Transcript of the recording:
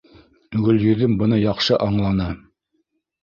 Гөлйөҙөм быны яҡшы аңланы.